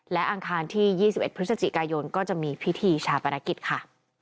และอังคารที่ยี่สิบเอ็ดพุธศจิกายนก็จะมีพิธีชาปนกิจค่ะ